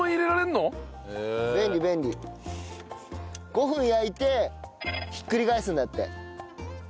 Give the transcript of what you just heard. ５分焼いてひっくり返すんだって。